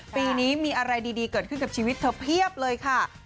ปีนี้มีอะไรดีเกิดขึ้นกับชีวิตเธอเพียบเลยค่ะ